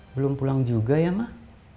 belum pulang juga ya mak